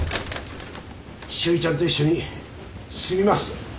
詩織ちゃんと一緒に住みます。